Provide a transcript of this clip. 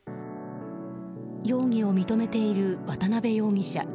容疑を認めている渡辺容疑者。